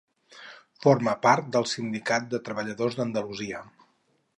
Forma part del Sindicat de Treballadors d'Andalusia.